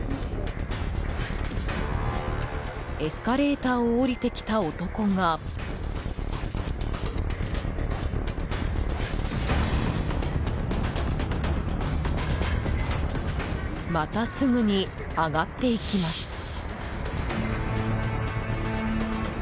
エスカレーターを下りてきた男がまたすぐに上がっていきます。